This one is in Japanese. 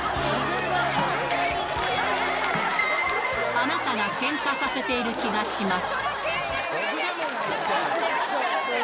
あなたがけんかさせている気がします。